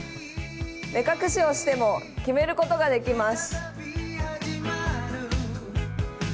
目隠しをしても、決めることができます。